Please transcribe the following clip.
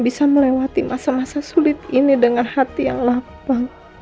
bisa melewati masa masa sulit ini dengan hati yang lapang